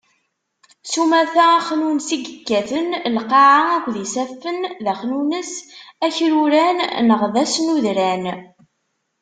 Sumata, axnunnes i yekkaten lqaεa akked yisaffen, d axnunnes akruran neɣ d asnudran.